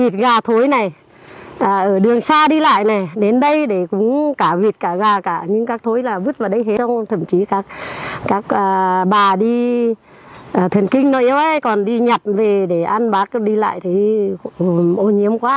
thuần kinh nó yếu đấy còn đi nhặt về để ăn bác đi lại thì ô nhiễm quá